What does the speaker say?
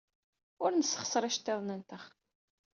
Ur nessexṣar iceḍḍiḍen-nteɣ.